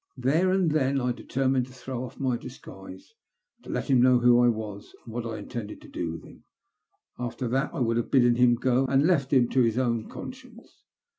There and then I determined to throw off my disguise, to let him know who I was, and what I intended to do to him; after that I would have bidden him go, and have left him to his own conscience.